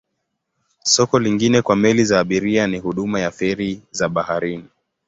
Soko lingine kwa meli za abiria ni huduma ya feri za baharini.